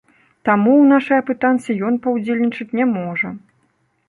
Таму ў нашай апытанцы ён паўдзельнічаць не можа.